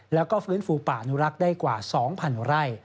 แล้วก็ฟื้นฟูป่านุรักษ์ได้กว่า๒๐๐๐ไร่